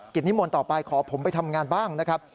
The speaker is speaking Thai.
กิจนิมนต์ต่อไปขอผมไปทำงานบ้างนะครับ